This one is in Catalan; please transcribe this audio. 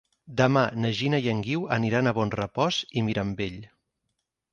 Demà na Gina i en Guiu aniran a Bonrepòs i Mirambell.